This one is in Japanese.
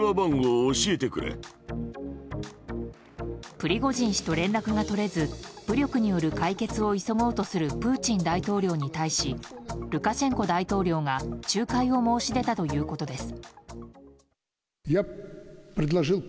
プリゴジン氏と連絡が取れず武力による解決を急ごうとするプーチン大統領に対しルカシェンコ大統領が仲介を申し出たということです。